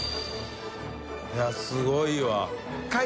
いすごいわ。